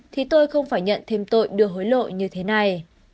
thì tôi không phải nhận thêm tội đưa hối lộ như thế này